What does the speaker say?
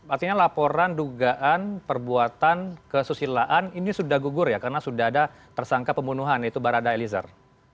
artinya laporan dugaan perbuatan kesusilaan ini sudah gugur ya karena sudah ada tersangka pembunuhan yaitu barada eliezer